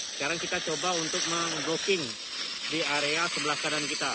sekarang kita coba untuk menggoking di area sebelah kanan kita